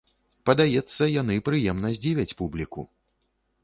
Падаецца, яны прыемна здзівяць публіку!